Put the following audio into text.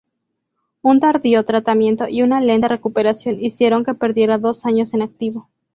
Un tardío tratamiento y una lenta recuperación hicieron que perdiera dos años en activo.